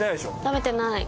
食べてない。